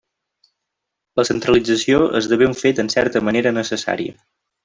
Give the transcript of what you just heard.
La centralització esdevé un fet en certa manera necessari.